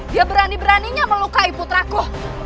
dia berani beraninya melukai putraku